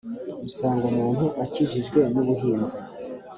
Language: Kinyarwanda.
usanga umuntu akijijwe n’ubuhinzi